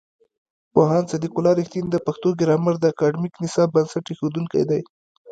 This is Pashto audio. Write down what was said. پوهاند صدیق الله رښتین د پښتو ګرامر د اکاډمیک نصاب بنسټ ایښودونکی دی.